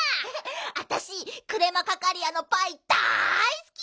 あたしクレマカカリアのパイだいすき！